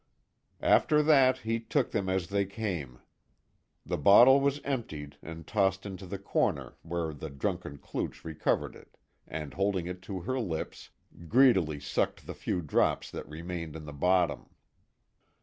After that he took them as they came. The bottle was emptied and tossed into the corner where the drunken klooch recovered it and holding it to her lips, greedily sucked the few drops that remained in the bottom.